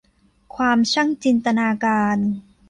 ความช่างจินตนาการ